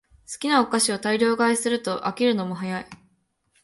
好きなお菓子を大量買いすると飽きるのも早い